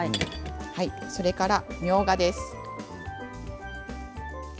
それから、みょうがです。